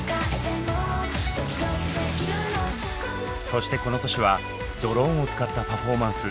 そしてこの年はドローンを使ったパフォーマンス。